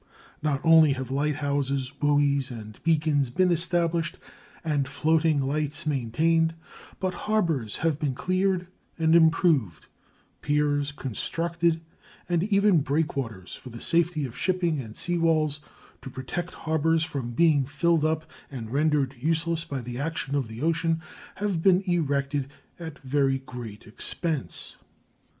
Not only have light houses, buoys, and beacons been established and floating lights maintained, but harbors have been cleared and improved, piers constructed, and even breakwaters for the safety of shipping and sea walls to protect harbors from being filled up and rendered useless by the action of the ocean, have been erected at very great expense.